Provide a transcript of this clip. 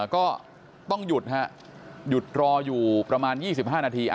ก็ต้องหยุดฮะหยุดรออยู่ประมาณ๒๕นาที